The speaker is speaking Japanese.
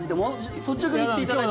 率直に言っていただいて。